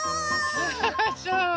アハハそう！